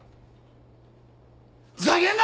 ふざけんな！